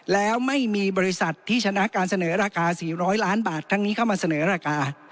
แล้วไม่มีบริษัทที่ชนะการเสนอราคา๔๐๐ล้านบาทครั้งนี้เข้ามาเสนอราคา